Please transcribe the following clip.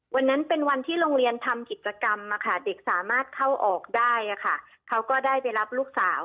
วันนั้นเป็นวันที่โรงเรียนทำกิจกรรมเด็กสามารถเข้าออกได้เขาก็ได้ไปรับลูกสาว